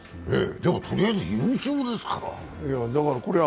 でも、とりあえず優勝ですから。